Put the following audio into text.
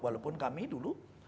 walaupun kami dulu